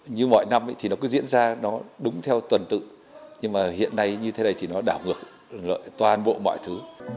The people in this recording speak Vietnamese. như mọi năm thì nó cứ diễn ra nó đúng theo tuần tự nhưng mà hiện nay như thế này thì nó đảo ngược toàn bộ mọi thứ